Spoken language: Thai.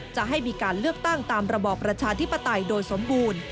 จะให้มีการเลือกตั้งตามระบอบประชาธิปไตยโดยสมบูรณ์